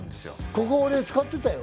ここ俺使ってたよ。